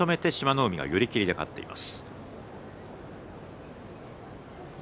海が寄り切りで勝っています。